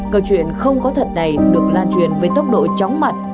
câu chuyện không có thật này được lan truyền với tốc độ chóng mặt